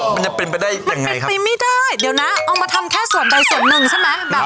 มันยังเป็นไปได้ไหมมันเป็นไปไม่ได้เดี๋ยวนะเอามาทำแค่ส่วนใดส่วนหนึ่งใช่ไหม